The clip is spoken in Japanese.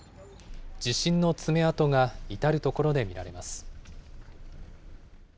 地震の爪痕が至る所で見られます。